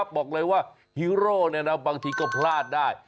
บอกเลยว่าฮีรอบางทีนั้วเราใกล้พลาดได้